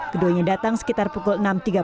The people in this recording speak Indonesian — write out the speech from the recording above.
keduanya datang sekitar pukul enam tiga puluh